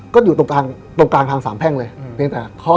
ก็อยู่ตรงกลางทางสามแพงเลย